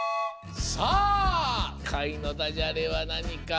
さあ「かい」のダジャレはなにか。